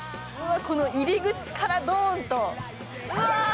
入り口からドーンと。